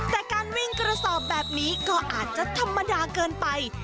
แต่การวิ่งกระสอบแบบนี้ก็อาจจะธรรมดาเกินไป